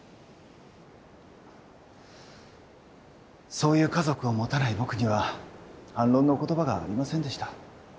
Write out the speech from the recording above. そういう家族を持たない僕には反論の言葉がありませんでした。